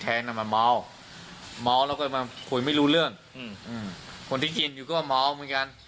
แท้มามัวและคุยไม่รู้เรื่องคนที่กินอยู่ก็มัวเหมือนกัน